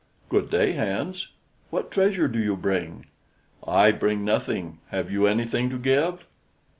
"Good day, Hans. What treasure do you bring?" "I bring nothing. Have you anything to give?"